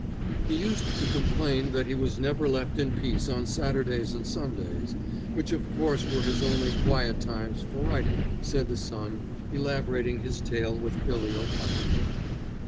"He used to complain that he was never left in peace on Saturdays and Sundays, which of course were his only quiet times for writing," said the son, elaborating his tale with filial piety.